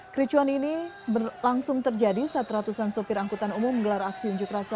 kericuan ini berlangsung terjadi saat ratusan sopir angkutan umum menggelar aksi unjuk rasa